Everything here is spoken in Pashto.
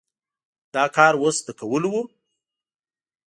دا کار اوس د کولو و؟